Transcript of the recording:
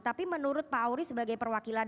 tapi menurut pak auris sebagai perwakilan